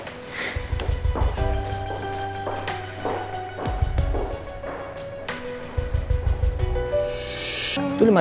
itu rp lima